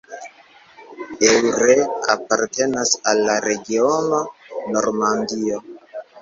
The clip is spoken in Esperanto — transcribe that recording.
Eure apartenas al la regiono Normandio.